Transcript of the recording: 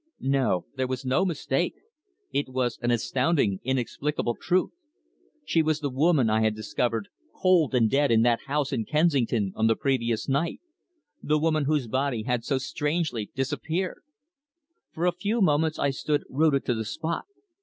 No. There was no mistake. It was an astounding, inexplicable truth. She was the woman I had discovered cold and dead in that house in Kensington on the previous night the woman whose body had so strangely disappeared. For a few moments I stood rooted to the spot.